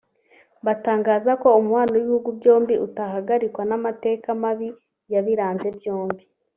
batangaza ko umubano w’ibihugu byombi utahagarikwa n’amateka mabi yabiranze byombi